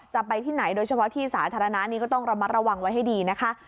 จะไปที่ไหนโดยเฉพาะที่สาธารณะนี้ก็ต้องระมัดระวังไว้ให้ดีนะคะ